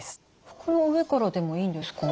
服の上からでもいいんですか？